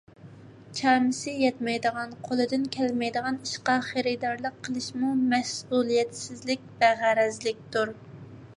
چامىسى يەتمەيدىغان، قولىدىن كەلمەيدىغان ئىشقا خېرىدارلىق قىلىشمۇ مەسئۇلىيەتسىزلىك، بەغەرەزلىكتۇر.